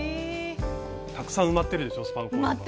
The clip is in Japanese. たくさん埋まってるでしょスパンコールが。